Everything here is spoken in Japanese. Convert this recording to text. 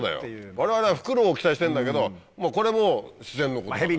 我々はフクロウを期待してんだけどこれも自然のことだから。